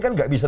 kan tidak bisa